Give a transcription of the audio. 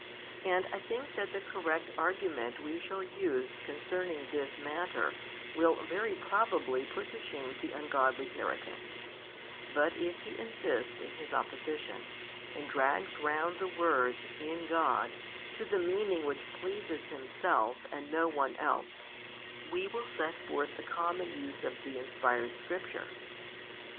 And I think that the correct argument we shall use concerning this matter will very probably put to shame the ungodly heretic: but if he insists in his opposition, and drags round the words "in God" to the meaning which pleases himself and no one else, we will set |280 forth the common use of the inspired Scripture.